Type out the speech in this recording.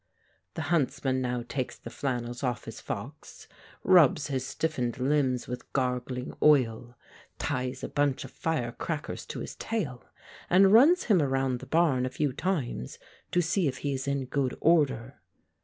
The huntsman now takes the flannels off his fox, rubs his stiffened limbs with gargling oil, ties a bunch of firecrackers to his tail and runs him around the barn a few times to see if he is in good order.